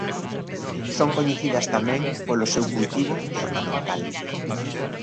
Son coñecidas tamén polo seu cultivo ornamental.